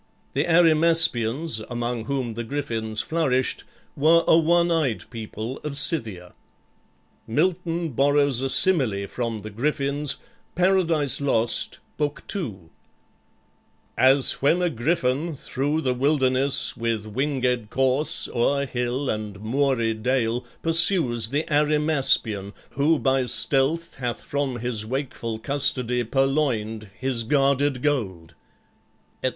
The Arimaspians, among whom the Griffins flourished, were a one eyed people of Scythia. Milton borrows a simile from the Griffins, "Paradise Lost," Book II,: "As when a Gryphon through the wilderness, With winged course, o'er hill and moory dale, Pursues the Arimaspian who by stealth Hath from his wakeful custody purloined His guarded gold," etc.